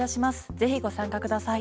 ぜひご参加ください。